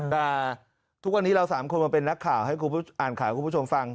แต่ทุกวันนี้เราสามคนมาเป็นนักข่าวอ่านข่าวให้คุณผู้ชมฟัง